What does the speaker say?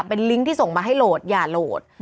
เป็นลิงก์ที่ส่งมาให้โหลดอย่าโหลด